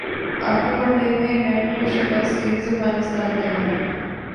اخری one day میں Ireland کو شکستسیریز افغانستان کے نام